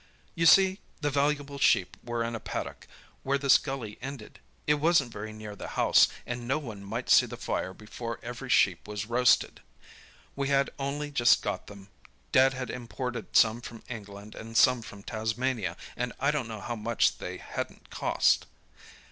"You see, the valuable sheep were in a paddock, where this gully ended. It wasn't very near the house, and no one might see the fire before every sheep was roasted. We had only just got them. Dad had imported some from England and some from Tasmania, and I don't know how much they hadn't cost."